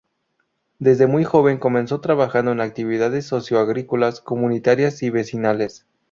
Desde muy joven comenzó trabajando en actividades socio-agrícolas, comunitarias y vecinales.